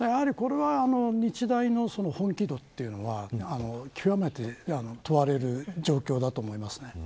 日大の本気度というのは極めて問われる状況になっています。